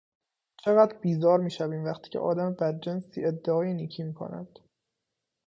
چقدر بیزار میشویم وقتی که آدم بدجنسی ادعای نیکی میکند.